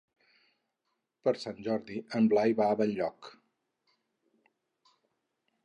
Per Sant Jordi en Blai va a Benlloc.